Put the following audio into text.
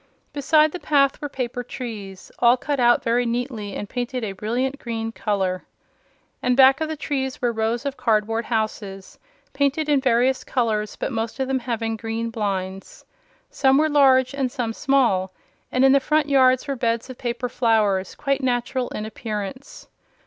Beside the path were paper trees, all cut out very neatly and painted a brilliant green color. And back of the trees were rows of cardboard houses, painted in various colors but most of them having green blinds. Some were large and some small, and in the front yards were beds of paper flowers quite natural in appearance.